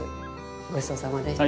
ごちそうさまでした。